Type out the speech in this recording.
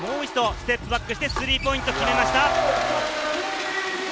ステップバックをして、スリーポイントを決めました。